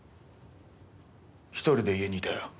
１人で家にいたよ。